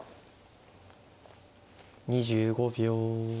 ２５秒。